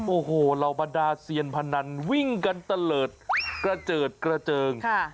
โอ้โหเหล่าบรรดาเซียนพนันวิ่งกันตะเลิศกระเจิดกระเจิง